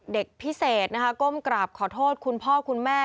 เด็กพิเศษนะคะก้มกราบขอโทษคุณพ่อคุณแม่